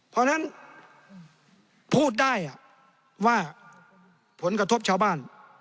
เพราะฉะนั้นพูดได้ว่าผลกระทบชาวบ้าน